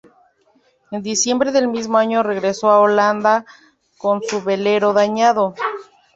En diciembre del mismo año regresó a Holanda con su velero dañado.